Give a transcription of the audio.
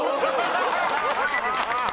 ハハハハ！